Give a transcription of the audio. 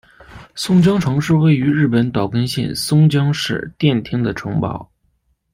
松江城是位于日本岛根县松江市殿町的城堡。